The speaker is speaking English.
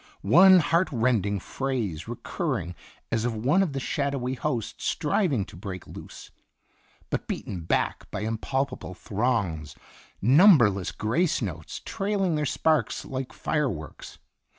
One heart rending phrase recurring as of one of the shadowy host striving to break loose, but beaten back by impalpable throngs, number less grace notes trailing their sparks like fire works.